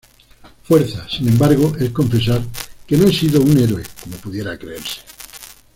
fuerza, sin embargo, es confesar que no he sido un héroe, como pudiera creerse.